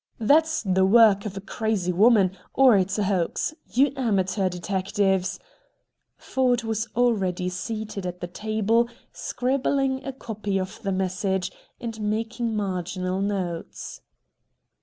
That's the work of a crazy woman, or it's a hoax. You amateur detectives " Ford was already seated at the table, scribbling a copy of the message, and making marginal notes.